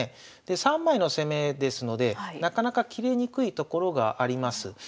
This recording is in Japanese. ３枚の攻めですのでなかなか切れにくいところがあります。